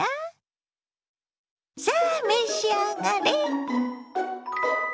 さあ召し上がれ！